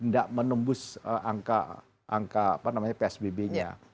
tidak menembus angka psbb nya